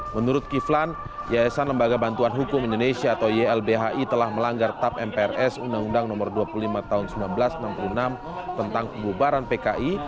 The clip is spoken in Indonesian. menurut kiflan yayasan lembaga bantuan hukum indonesia atau ylbhi telah melanggar tap mprs undang undang no dua puluh lima tahun seribu sembilan ratus enam puluh enam tentang pembubaran pki